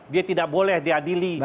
dia tidak boleh diadili